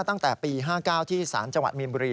ตั้งแต่ปี๕๙ที่สารจังหวัดมีนบุรี